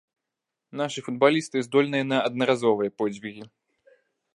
Нашы футбалісты здольныя на аднаразовыя подзвігі.